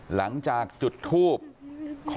หลังจากจุดทูบ